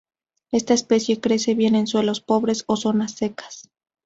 Esta especie crece bien en suelos pobres o zonas secas.